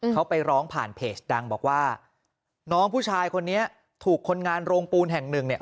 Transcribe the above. เขาไปร้องผ่านเพจดังบอกว่าน้องผู้ชายคนนี้ถูกคนงานโรงปูนแห่งหนึ่งเนี่ย